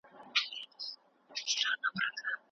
کوم هیواد غواړي سفارت نور هم پراخ کړي؟